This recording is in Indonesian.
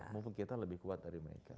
move kita lebih kuat dari mereka